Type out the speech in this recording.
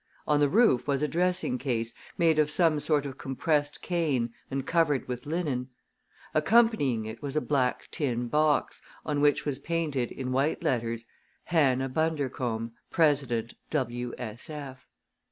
On the roof was a dressing case made of some sort of compressed cane and covered with linen. Accompanying it was a black tin box, on which was painted, in white letters: "Hannah Bundercombe, President W.S.F."